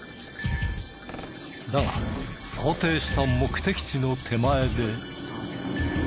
だが想定した目的地の手前で。